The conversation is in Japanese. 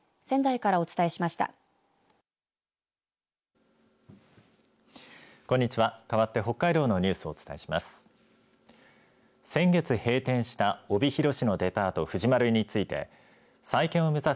かわって北海道のニュースをお伝えします。